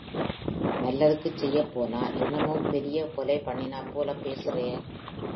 நல்லதுக்குச் செய்யப்போனா என்னமோப் பெரிய கொலை பண்ணிட்டாப்போல பேசுறே!